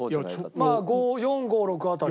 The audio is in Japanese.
まあ４５６辺り。